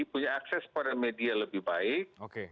punya akses pada media lebih baik